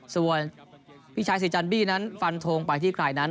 ส่วนพี่ชายสีจันบี้นั้นฟันทงไปที่ใครนั้น